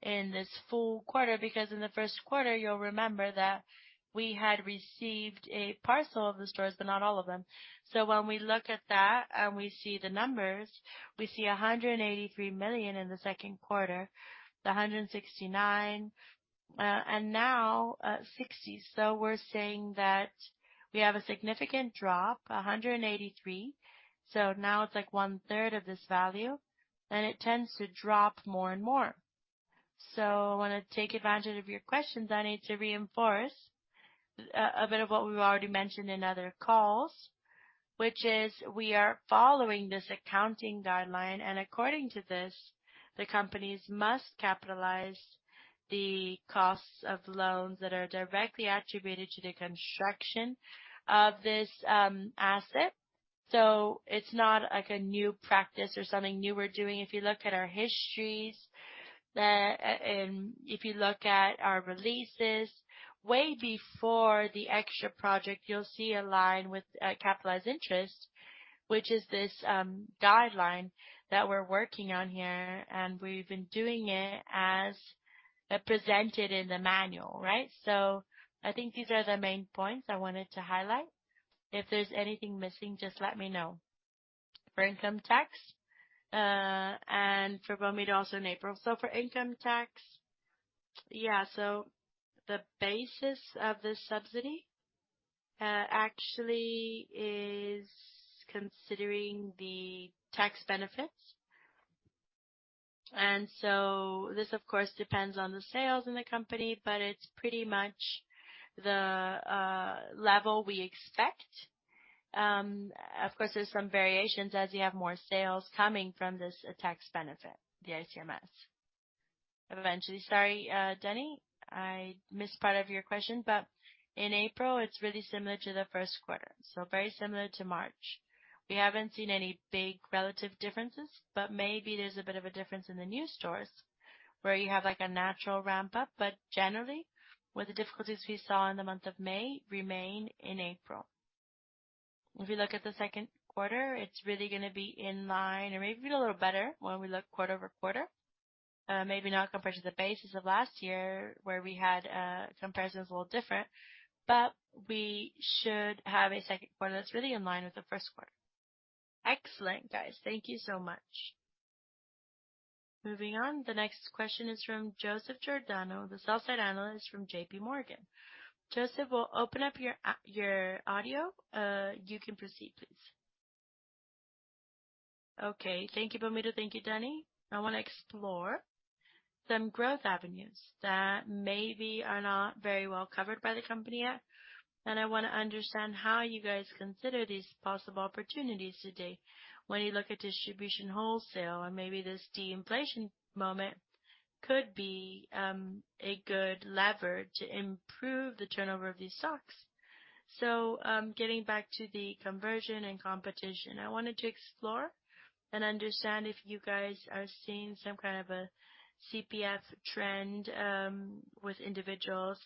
in this full quarter, because in the first quarter, you'll remember that we had received a parcel of the stores, but not all of them. When we look at that and we see the numbers, we see 183 million in the second quarter, 169 million, and now 60 million. We're saying that we have a significant drop, 183. Now it's like 1/3 of this value, and it tends to drop more and more. I wanna take advantage of your questions, Dani, to reinforce a bit of what we've already mentioned in other calls, which is we are following this accounting guideline, and according to this, the companies must capitalize the costs of loans that are directly attributed to the construction of this asset. It's not like a new practice or something new we're doing. If you look at our histories, the, and if you look at our releases way before the Extra project, you'll see a line with capitalized interest, which is this guideline that we're working on here, and we've been doing it as presented in the manual, right? I think these are the main points I wanted to highlight. If there's anything missing, just let me know. For income tax, and for Belmiro also in April. For income tax, yeah, the basis of this subsidy actually is considering the tax benefits. This, of course, depends on the sales in the company, but it's pretty much the level we expect. Of course, there's some variations as you have more sales coming from this tax benefit, the ICMS. Eventually. Sorry, Dani, I missed part of your question, but in April, it's really similar to the first quarter, so very similar to March. We haven't seen any big relative differences, but maybe there's a bit of a difference in the new stores where you have like a natural ramp-up. Generally, with the difficulties we saw in the month of May remain in April. If you look at the second quarter, it's really gonna be in line or maybe a little better when we look quarter-over-quarter. Maybe not compared to the basis of last year where we had comparisons a little different, but we should have a second quarter that's really in line with the first quarter. Excellent, guys. Thank you so much. Moving on. The next question is from Joseph Giordano, the sell-side analyst from J.P. Morgan. Joseph, we'll open up your audio. You can proceed, please. Okay. Thank you, Wlamir dos Anjos. Thank you, Dani. I wanna explore some growth avenues that maybe are not very well covered by the company yet. I wanna understand how you guys consider these possible opportunities today when you look at distribution wholesale, and maybe this de-inflation moment could be a good lever to improve the turnover of these stocks. Getting back to the conversion and competition, I wanted to explore and understand if you guys are seeing some kind of a CPF trend with individuals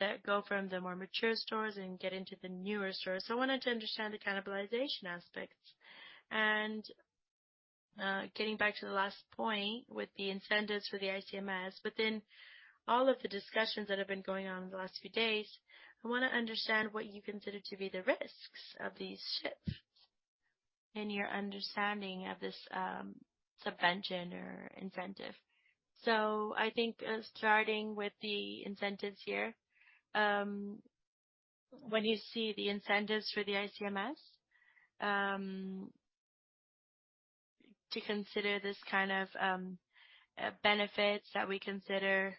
that go from the more mature stores and get into the newer stores. I wanted to understand the cannibalization aspects. Getting back to the last point with the incentives for the ICMS, within all of the discussions that have been going on in the last few days, I wanna understand what you consider to be the risks of these shifts in your understanding of this subvention or incentive. I think, starting with the incentives here, when you see the incentives for the ICMS, to consider this kind of benefits that we consider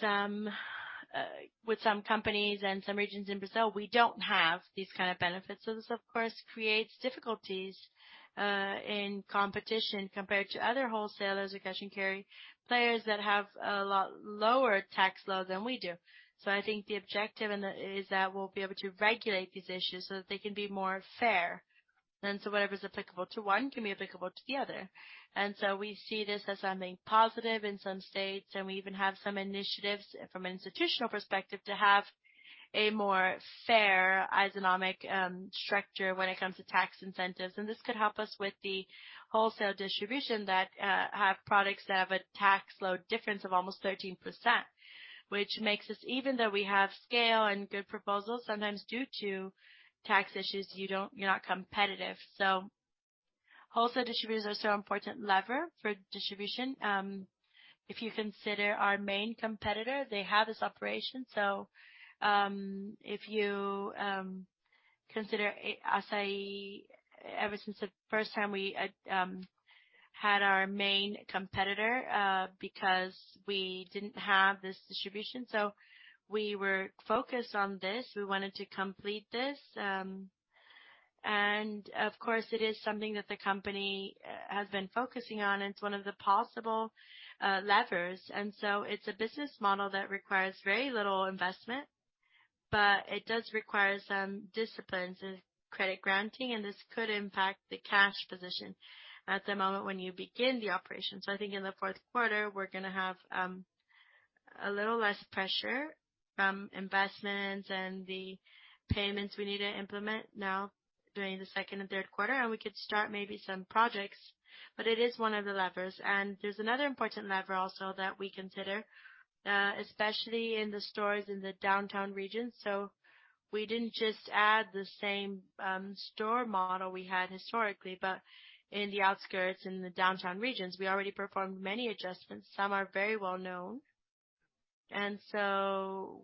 some, with some companies and some regions in Brazil, we don't have these kind of benefits. This of course creates difficulties, in competition compared to other wholesalers or cash & carry players that have a lot lower tax load than we do. I think the objective in that is that we'll be able to regulate these issues so that they can be more fair. Whatever's applicable to one can be applicable to the other. We see this as something positive in some states, and we even have some initiatives from an institutional perspective to have a more fair economic structure when it comes to tax incentives. This could help us with the wholesale distribution that have products that have a tax load difference of almost 13%, which makes us, even though we have scale and good proposals, sometimes due to tax issues, you're not competitive. Wholesale distributors are so important lever for distribution. If you consider our main competitor, they have this operation. If you consider Assaí ever since the first time we had our main competitor, because we didn't have this distribution, so we were focused on this. We wanted to complete this. Of course, it is something that the company has been focusing on, and it's one of the possible levers. It's a business model that requires very little investment, but it does require some disciplines in credit granting, and this could impact the cash position at the moment when you begin the operation. I think in the fourth quarter we're gonna have a little less pressure from investments and the payments we need to implement now during the second and third quarter, and we could start maybe some projects. It is one of the levers. There's another important lever also that we consider, especially in the stores in the downtown region. We didn't just add the same store model we had historically, but in the outskirts, in the downtown regions, we already performed many adjustments. Some are very well-known.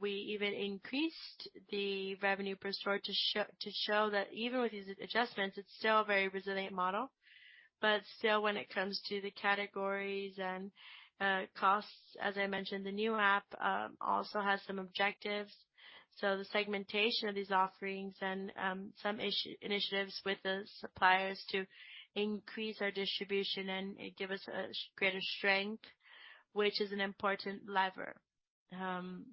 We even increased the revenue per store to show that even with these adjustments, it's still a very resilient model. Still when it comes to the categories and costs, as I mentioned, the new app also has some objectives. The segmentation of these offerings and some initiatives with the suppliers to increase our distribution and give us a greater strength, which is an important lever. I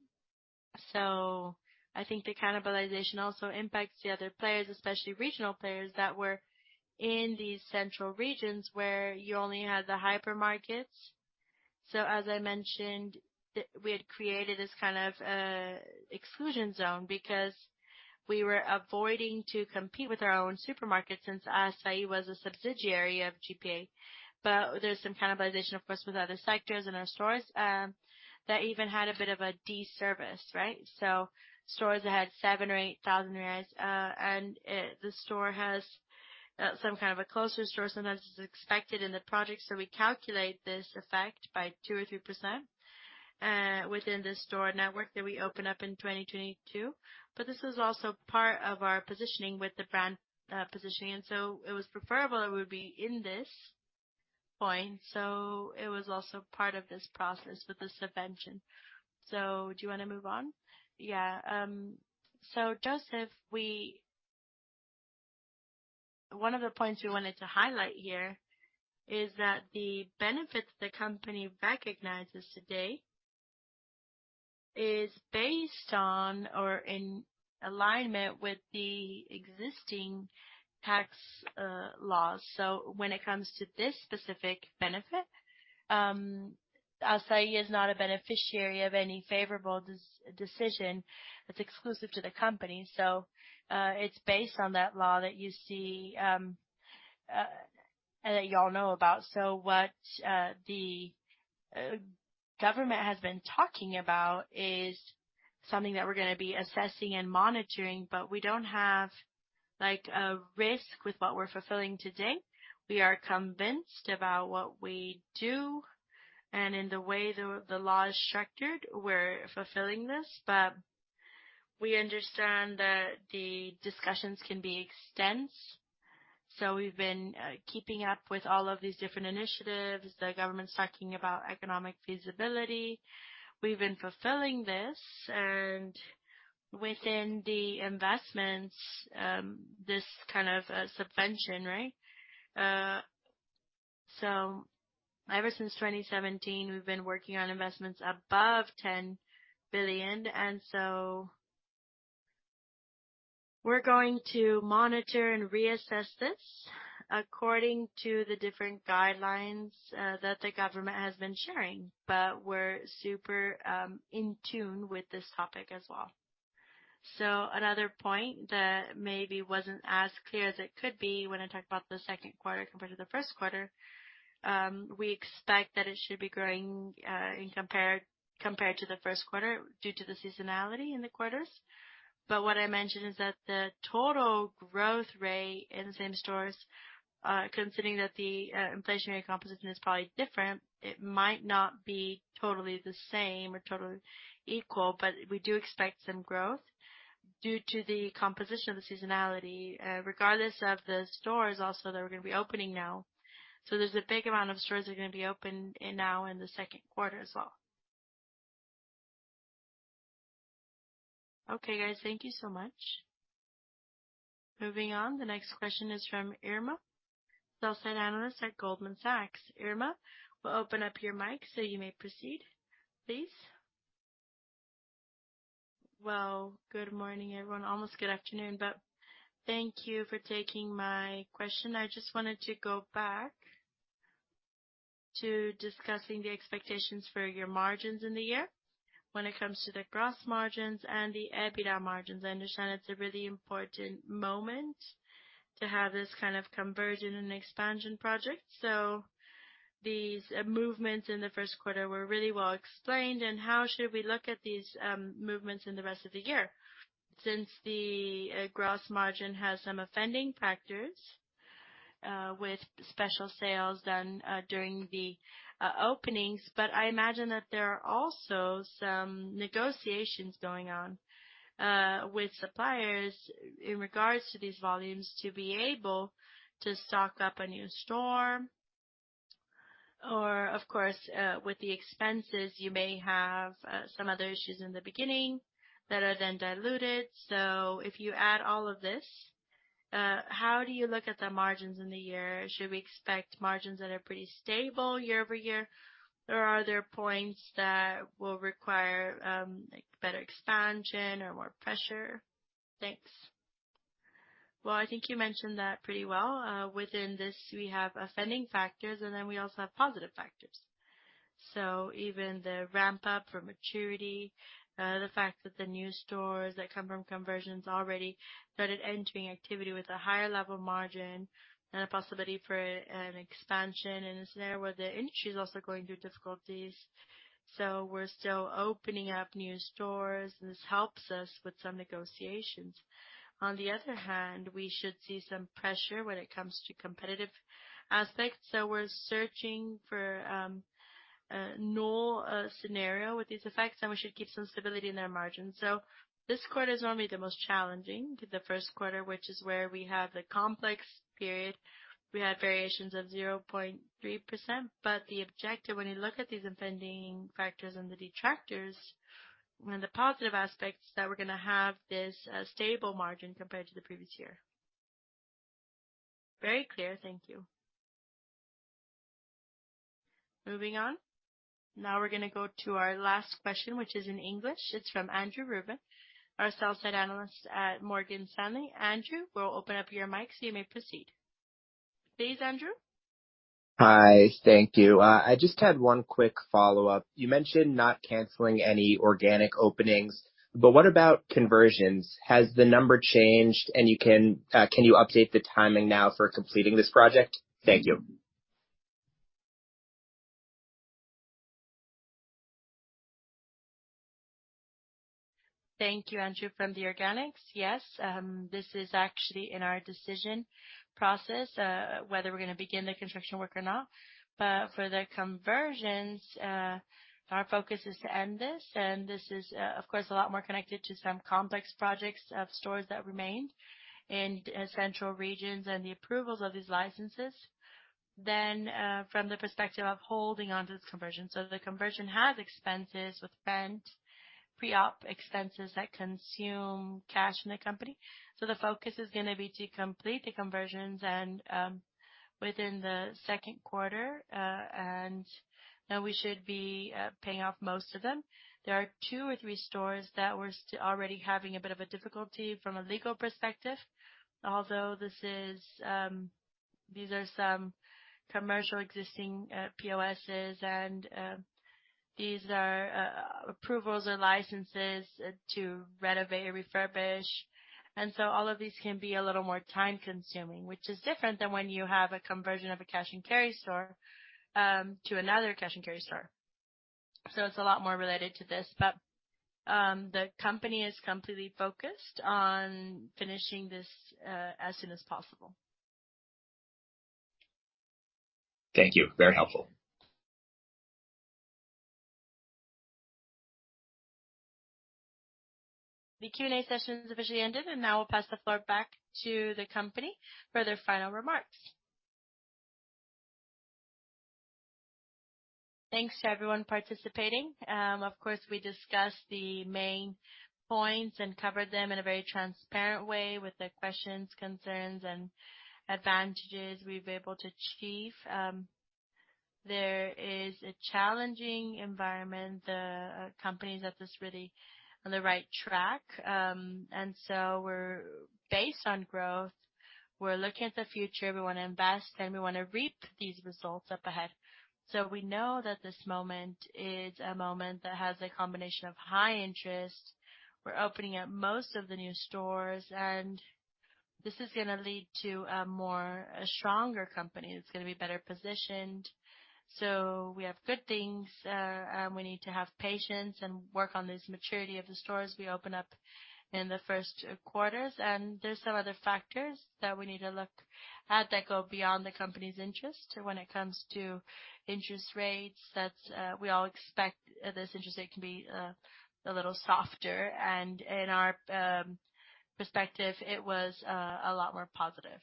think the cannibalization also impacts the other players, especially regional players that were in these central regions where you only had the hypermarkets. As I mentioned, we had created this kind of exclusion zone because we were avoiding to compete with our own supermarket since Assaí was a subsidiary of GPA. There's some cannibalization, of course, with other sectors in our stores, that even had a bit of a de-service, right? Stores that had 7,000 or 8,000 reais, and the store has some kind of a closer store sometimes is expected in the project. We calculate this effect by 2% or 3% within the store network that we open up in 2022. This is also part of our positioning with the brand positioning. It was preferable it would be in this point. It was also part of this process with the subvention. Do you wanna move on? Yeah. Joseph, we. One of the points we wanted to highlight here is that the benefits the company recognizes today is based on or in alignment with the existing tax laws. When it comes to this specific benefit, Assaí is not a beneficiary of any favorable decision that's exclusive to the company. It's based on that law that you see and that you all know about. What the government has been talking about is something that we're gonna be assessing and monitoring, but we don't have like a risk with what we're fulfilling today. We are convinced about what we do, and in the way the law is structured, we're fulfilling this. We understand that the discussions can be extensive. We've been keeping up with all of these different initiatives. The government's talking about economic feasibility. We've been fulfilling this and within the investments, this kind of suspension, right? Ever since 2017, we've been working on investments above 10 billion. We're going to monitor and reassess this according to the different guidelines that the government has been sharing. We're super in tune with this topic as well. Another point that maybe wasn't as clear as it could be when I talked about the 2Q compared to the 1Q, we expect that it should be growing, compared to the 1Q due to the seasonality in the quarters. What I mentioned is that the total growth rate in same stores, considering that the inflationary composition is probably different, it might not be totally the same or totally equal. We do expect some growth due to the composition of the seasonality, regardless of the stores also that we're gonna be opening now. There's a big amount of stores that are gonna be opened now in the second quarter as well. Okay, guys. Thank you so much. Moving on. The next question is from Irma, sell-side analyst at Goldman Sachs. Irma, we'll open up your mic so you may proceed, please. Well, good morning, everyone. Almost good afternoon, but thank you for taking my question. I just wanted to go back to discussing the expectations for your margins in the year when it comes to the gross margins and the EBITDA margins. I understand it's a really important moment to have this kind of conversion and expansion project. These movements in the first quarter were really well explained. How should we look at these movements in the rest of the year since the gross margin has some offending factors with special sales done during the openings. I imagine that there are also some negotiations going on with suppliers in regards to these volumes to be able to stock up a new store. Of course, with the expenses, you may have some other issues in the beginning that are then diluted. If you add all of this, how do you look at the margins in the year? Should we expect margins that are pretty stable year-over-year, or are there points that will require like better expansion or more pressure? Thanks. Well, I think you mentioned that pretty well. Within this, we have offending factors, and then we also have positive factors. Even the ramp up for maturity, the fact that the new stores that come from conversions already started entering activity with a higher level margin and a possibility for an expansion in a scenario where the industry is also going through difficulties. We're still opening up new stores, and this helps us with some negotiations. On the other hand, we should see some pressure when it comes to competitive aspects. We're searching for a null scenario with these effects, and we should keep some stability in their margins. This quarter is normally the most challenging, the first quarter, which is where we have the complex period. We had variations of 0.3%, the objective, when you look at these offending factors and the detractors and the positive aspects, that we're going to have this stable margin compared to the previous year. Very clear. Thank you. We're going to go to our last question, which is in English. It's from Andrew Ruben, our sell-side analyst at Morgan Stanley. Andrew, we'll open up your mic so you may proceed. Please, Andrew. Hi. Thank you. I just had one quick follow-up. You mentioned not canceling any organic openings, but what about conversions? Has the number changed? Can you update the timing now for completing this project? Thank you. Thank you, Andrew. From the organics, yes, this is actually in our decision process, whether we're gonna begin the construction work or not. For the conversions, our focus is to end this. This is, of course, a lot more connected to some complex projects of stores that remained in central regions and the approvals of these licenses than from the perspective of holding onto this conversion. The conversion has expenses with rent, pre-op expenses that consume cash in the company. The focus is gonna be to complete the conversions and within the second quarter, and then we should be paying off most of them. There are 2 or 3 stores that we're already having a bit of a difficulty from a legal perspective, although this is, these are some commercial existing POSs. These are approvals or licenses to renovate or refurbish. All of these can be a little more time-consuming, which is different than when you have a conversion of a cash and carry store to another cash and carry store. It's a lot more related to this. The company is completely focused on finishing this as soon as possible. Thank you. Very helpful. The Q&A session is officially ended. Now I'll pass the floor back to the company for their final remarks. Thanks to everyone participating. Of course, we discussed the main points and covered them in a very transparent way with the questions, concerns, and advantages we've been able to achieve. There is a challenging environment. The company is at this really on the right track. We're based on growth. We're looking at the future. We wanna invest, we wanna reap these results up ahead. We know that this moment is a moment that has a combination of high interest. We're opening up most of the new stores, this is gonna lead to a more stronger company that's gonna be better positioned. We have good things. We need to have patience and work on this maturity of the stores we open up in the first quarters. There's some other factors that we need to look at that go beyond the company's interest when it comes to interest rates. That's, we all expect this interest rate can be a little softer. In our perspective, it was a lot more positive.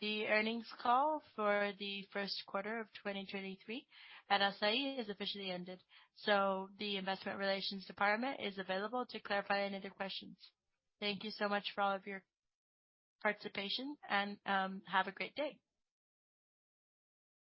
The earnings call for the first quarter of 2023 at Assaí has officially ended, so the Investor Relations department is available to clarify any other questions. Thank you so much for all of your participation, and have a great day.